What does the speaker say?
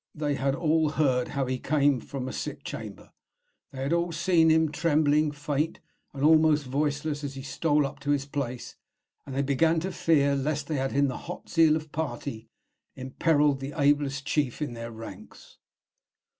They had all heard how he came from a sick chamber; they had all seen him, trembling, faint, and almost voiceless, as he stole up to his place, and they began to fear lest they had, in the hot zeal of party, imperilled the ablest chief in their ranks.